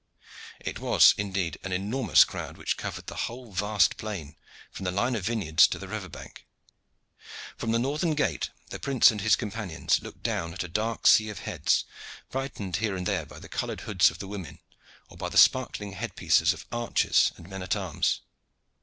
It was indeed an enormous crowd which covered the whole vast plain from the line of vineyards to the river bank. From the northern gate the prince and his companions looked down at a dark sea of heads, brightened here and there by the colored hoods of the women, or by the sparkling head pieces of archers and men at arms.